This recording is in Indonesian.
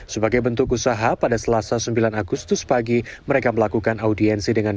sebagai bentuk usaha pada selasa sembilan agustus pagi mereka melakukan audiensi dengan